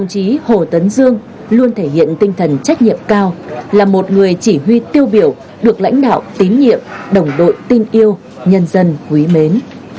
đồng chí hồ tấn dương luôn thể hiện tinh thần trách nhiệm cao là một người chỉ huy tiêu biểu được lãnh đạo tín nhiệm đồng đội tin yêu nhân dân quý mến